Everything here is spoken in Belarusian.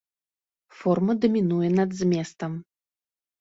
Форма дамінуе над зместам.